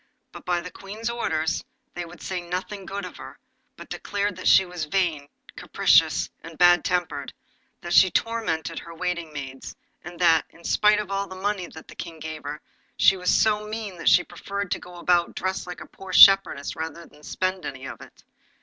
But by the Queen's orders they would say nothing good of her, but declared that she was vain, capricious, and bad tempered; that she tormented her waiting maids, and that, in spite of all the money that the King gave her, she was so mean that she preferred to go about dressed like a poor shepherdess, rather than spend any of it.